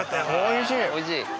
おいしい！